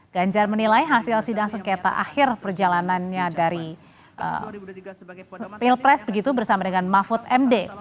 ganjar menilai hasil sidang sengketa akhir perjalanannya dari pilpres begitu bersama dengan mahfud md